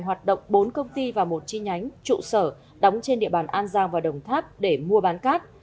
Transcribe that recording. hoạt động bốn công ty và một chi nhánh trụ sở đóng trên địa bàn an giang và đồng tháp để mua bán cát